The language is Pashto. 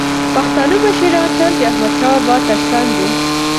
پښتانه مشران تل د احمدشاه بابا تر څنګ وو.